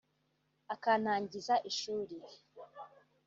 akantangiza ishuri